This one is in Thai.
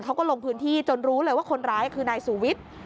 เขาก็ลงพื้นที่จนรู้เลยว่าคนร้ายคือนายสุวิทย์